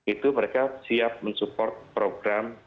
itu mereka siap mensupport program